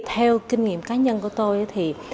theo kinh nghiệm cá nhân của tôi